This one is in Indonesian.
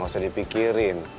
gak usah dipikirin